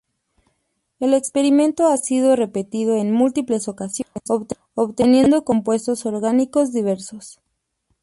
El experimento ha sido repetido en múltiples ocasiones, obteniendo compuestos orgánicos diversos.